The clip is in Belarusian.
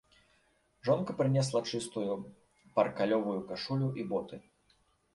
Жонка прынесла чыстую паркалёвую кашулю і боты.